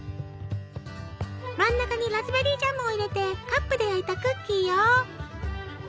真ん中にラズベリージャムを入れてカップで焼いたクッキーよ。